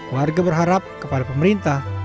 warga berharap kepada pemerintah